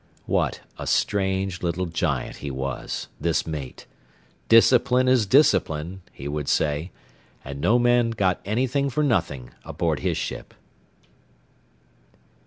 What a strange little giant he was, this mate! "Discipline is discipline," he would say, and no man got anything for nothing aboard his ship.